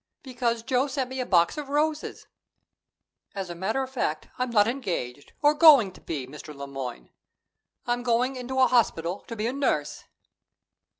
Because Joe sent me a box of roses As a matter of fact, I'm not engaged, or going to be, Mr. Le Moyne. I'm going into a hospital to be a nurse."